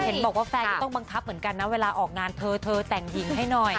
เห็นบอกว่าแฟนก็ต้องบังคับเหมือนกันนะเวลาออกงานเธอเธอแต่งหญิงให้หน่อย